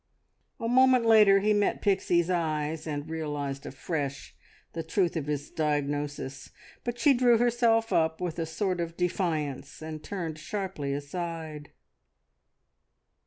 A moment later he met Pixie's eyes, and realised afresh the truth of his diagnosis; but she drew herself up with a sort of defiance, and turned sharply aside.